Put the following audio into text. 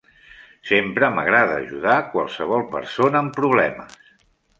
Sempre m'agrada ajudar qualsevol persona amb problemes.